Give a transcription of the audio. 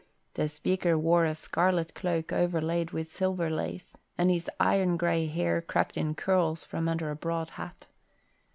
The speaker wore a scarlet cloak overlaid with silver lace, and his iron grey hair crept in curls from under a broad hat.